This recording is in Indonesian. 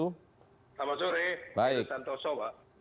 selamat sore santoso pak